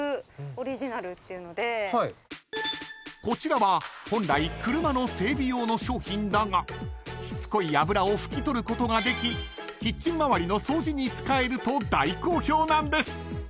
［こちらは本来車の整備用の商品だがしつこい油を拭き取ることができキッチン回りの掃除に使えると大好評なんです］